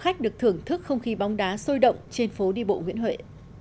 khách được thưởng thức không khí bóng đá sôi động trên phố đi bộ nguyễn huệ